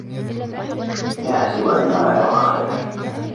يَحْسَبُ أَنَّ مَالَهُ أَخْلَدَهُ